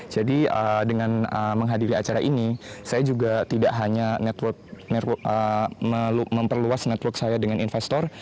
jadi dengan menghadiri acara ini saya juga tidak hanya memperluas network saya dengan investor